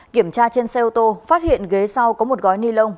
kiểm tra trên xe ô tô phát hiện ghế sau có một gói ni lông